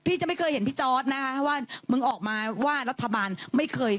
พี่จะไม่เคยเห็นพี่จอร์ดนะคะว่ามึงออกมาว่ารัฐบาลไม่เคย